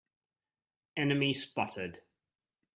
Enemy spotted!